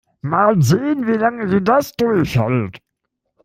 Mal sehen, wie lange sie das durchhält.